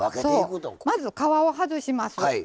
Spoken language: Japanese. まず皮を外します。